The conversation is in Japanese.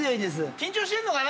緊張してんのかな？